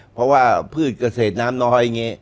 เพราะว่าพืชเกษตรน้ำน้อย